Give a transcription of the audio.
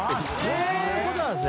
そういうことなんすね。